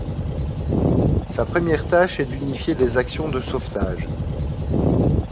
Sa première tâche est d'unifier les actions de sauvetage.